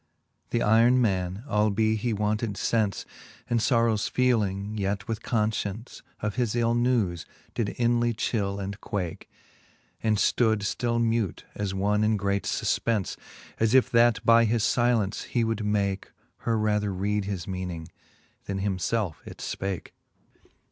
Theyron man, albe he wanted lence And {brrowes feeling, yet with confcience Of his ill newes^ did inly chill and quake, And ftood ftill mute, as one in great fufpence, As if that by his filence he would make Her rather read his meaning, then him felfe it fpake.